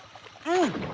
うん！